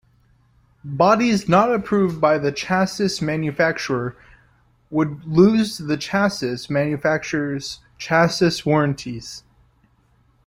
Bodies not approved by the chassis manufacturer would lose the chassis manufacturer's chassis warranties.